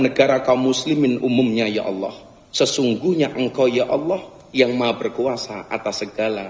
negara kaum muslimin umumnya ya allah sesungguhnya engkau ya allah yang maha berkuasa atas segala